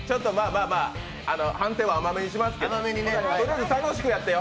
判定は甘めにしますけどとりあえず楽しくやってよ。